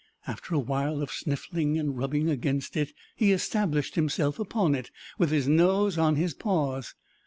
After a while of sniffing and rubbing against it he established himself upon it with his nose on his paws.